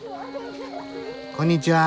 こんにちは。